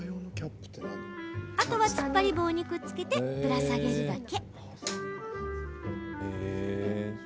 あとは、つっぱり棒にくっつけてぶら下げるだけ。